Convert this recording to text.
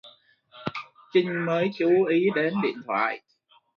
Chinh mới chú ý đến điện thoại